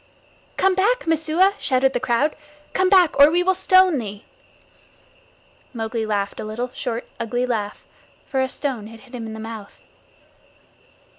"Come back, Messua!" shouted the crowd. "Come back, or we will stone thee." Mowgli laughed a little short ugly laugh, for a stone had hit him in the mouth.